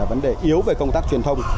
vấn đề yếu về công tác truyền thông